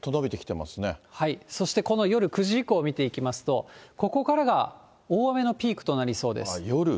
そしてこの夜９時以降を見ていきますと、ここからが大雨のピークとなりそうです。